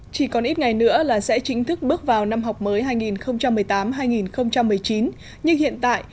chỉ còn ít ngày nữa là sẽ chính thức bước vào năm học mới hai nghìn một mươi tám hai nghìn một mươi chín nhưng hiện tại